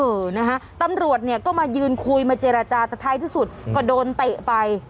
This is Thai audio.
เออนะฮะตำรวจเนี่ยก็มายืนคุยมาเจรจาแต่ท้ายที่สุดก็โดนเตะไป